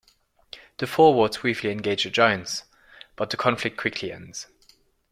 The Forwards briefly engage the Giants, but the conflict quickly ends.